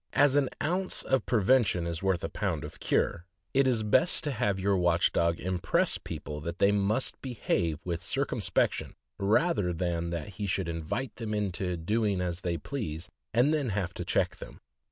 As '' an ounce of prevention is worth a pound of cure," it is best to have your watch dog impress people that they must behave with circumspection, rather than that he should invite them into doing as they please and then have to check them.